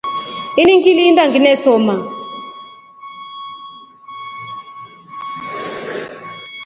Ini ngilinda nginesoma.